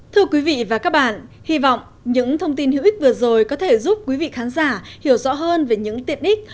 thưa quý vị và các bạn hy vọng những thông tin hữu ích vừa rồi có thể giúp quý vị khán giả hiểu rõ hơn về những tiện ích